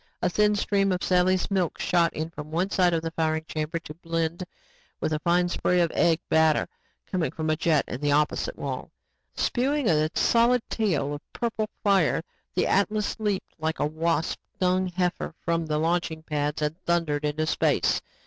A thin stream of Sally's milk shot in from one side of the firing chamber to blend with a fine spray of egg, batter coming from a jet in the opposite wall. Spewing a solid tail of purple fire, the Atlas leaped like a wasp stung heifer from the launching pads and thundered into space.